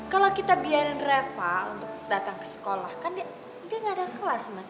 kalau kita biarin reva untuk datang ke sekolah kan dia gak ada kelas mas